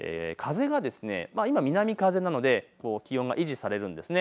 風が今、南風なので気温が維持されるんですね。